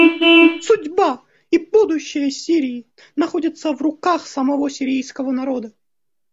Судьба и будущее Сирии находятся в руках самого сирийского народа.